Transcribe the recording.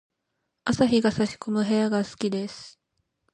朝日が差し込む部屋が好きです。